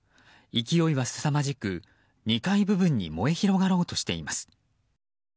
勢いはすさまじく２階部分に燃え広がろうとしています。